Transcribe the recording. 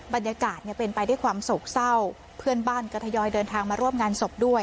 บรรยากาศเนี่ยเป็นไปด้วยความโศกเศร้าเพื่อนบ้านก็ทยอยเดินทางมาร่วมงานศพด้วย